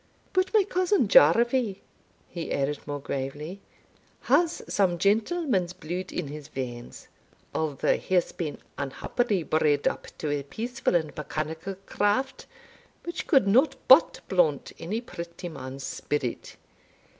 But my cousin Jarvie," he added, more gravely, "has some gentleman's bluid in his veins, although he has been unhappily bred up to a peaceful and mechanical craft, which could not but blunt any pretty man's spirit.